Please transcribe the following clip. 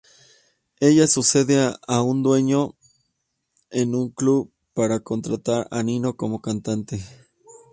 Ella seduce a un dueño de un club para contratar a Nino como cantante.